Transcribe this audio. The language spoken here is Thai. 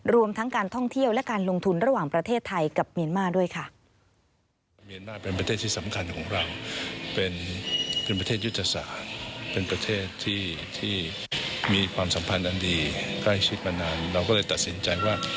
รวมทั้งการท่องเที่ยวและการลงทุนระหว่างประเทศไทยกับเมียนมาร์ด้วยค่ะ